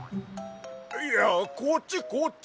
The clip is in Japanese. いやこっちこっち！